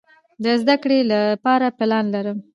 زه د زده کړې له پاره پلان لرم.